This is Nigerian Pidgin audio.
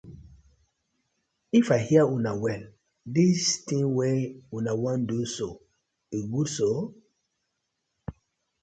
If I hear una well, dis ting wey una wan do so e good so.